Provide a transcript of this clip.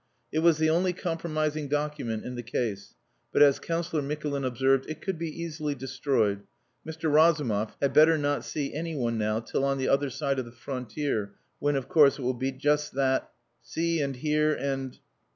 It was the only compromising document in the case, but, as Councillor Mikulin observed, "it could be easily destroyed. Mr. Razumov had better not see any one now till on the other side of the frontier, when, of course, it will be just that.... See and hear and..."